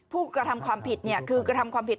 ผู้กระทำความผิดคือกระทำความผิด